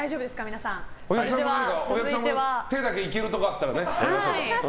皆さんも手だけいけるところあったらね。